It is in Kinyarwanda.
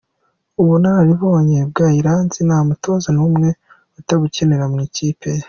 Ubunararibonye bwa Iranzi nta mutoza n’umwe utabukenera mu ikipe ye.